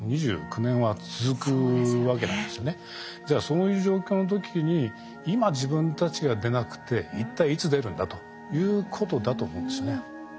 じゃあそういう状況の時に今自分たちが出なくて一体いつ出るんだということだと思うんですよね。